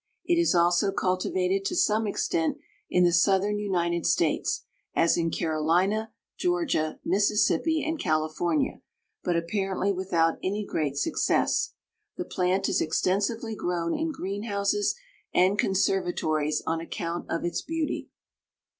It is also cultivated to some extent in the southern United States, as in Carolina, Georgia, Mississippi, and California, but apparently without any great success. The plant is extensively grown in green houses and conservatories on account of its beauty.